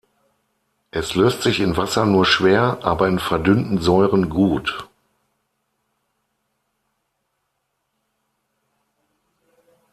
Es löst sich in Wasser nur schwer, aber in verdünnten Säuren gut.